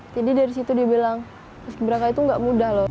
jadi dari situ dia bilang paski braka itu gak mudah loh